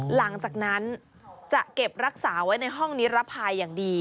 หลังจากนั้นจะเก็บรักษาไว้ในห้องนิรภัยอย่างดี